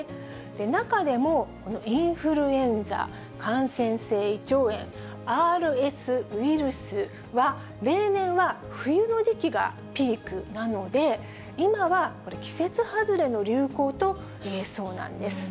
中でもインフルエンザ、感染性胃腸炎、ＲＳウイルスは、例年は冬の時期がピークなので、今は季節外れの流行といえそうなんです。